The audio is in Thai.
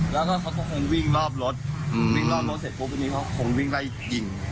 แล้วก็เขาก็คงวิ่งรอบรถวิ่งรอบรถเสร็จปุ๊บทีนี้เขาคงวิ่งไล่ยิง